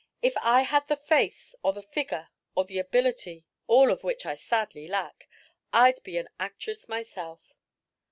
"If I had the face or the figure or the ability all of which I sadly lack I'd be an actress myself."